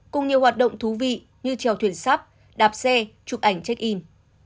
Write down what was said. cùng nhiều hoạt động thú vị như trèo thuyền sắp đạp xe chụp ảnh check in